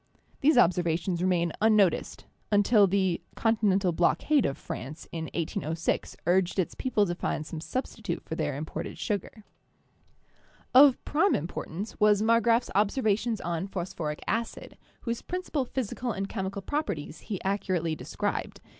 These observations remained unnoticed, un THE PHLOGISTIC PERIOD PROPER 109 til the continental blockade of France in 1806 urged its people to find some substitute for their imported sugar. Of prime importance was Marggrafs observations on phosphoric acid, whose principal physical and chemical properties he accurately described.